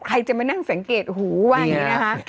ใครจะมานั่งสังเกตหูว่าอย่างนี้นะคะ